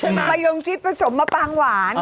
มะยงชิดผสมมะปางหวาน